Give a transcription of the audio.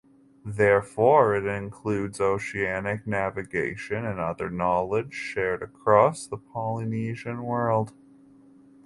Therefore it includes oceanic navigation and other knowledge shared across the Polynesian world.